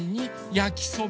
やきそば？